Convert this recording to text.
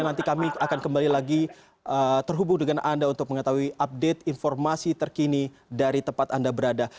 nanti kami akan kembali lagi terhubung dengan anda untuk mengetahui update informasi terkini dari tempat anda berada